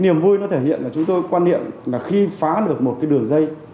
niềm vui thể hiện là chúng tôi quan niệm khi phá được một đường dây